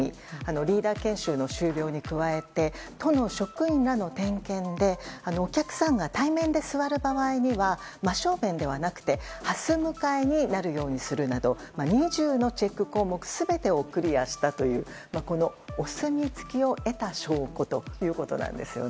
リーダー研修の終了に加えて都の職員らの点検でお客さんが対面で座る場合には真正面ではなくてはす向かいに座るなど２０のチェック項目全てをクリアしたというお墨付きを得た証拠です。